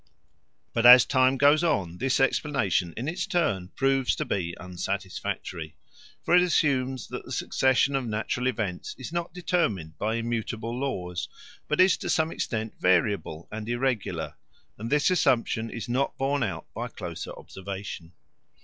But as time goes on this explanation in its turn proves to be unsatisfactory. For it assumes that the succession of natural events is not determined by immutable laws, but is to some extent variable and irregular, and this assumption is not borne out by closer observation.